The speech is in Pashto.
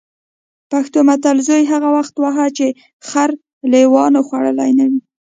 پښتو متل: زوی هغه وخت وهه چې خر لېوانو خوړلی نه وي.